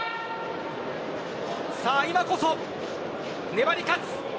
今こそ粘り勝つ。